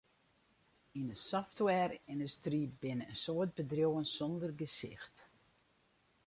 Yn 'e softwareyndustry binne in soad bedriuwen sonder gesicht.